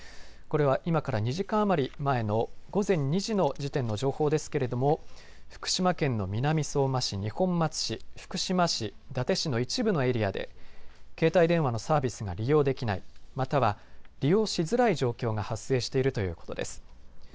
これは今から２時間余り前の午前２時の時点の情報ですけれども福島県の南相馬市、二本松市、福島市、伊達市の一部のエリアで携帯電話のサービスが利用できない、または利用しづらい状況が発生しているということです。